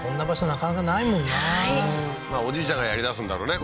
なかなかないもんなないおじいちゃんがやりだすんだろうね